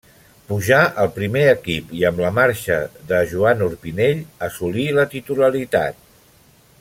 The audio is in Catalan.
Pujà al primer equip, i amb la marxa de Joan Orpinell assolí la titularitat.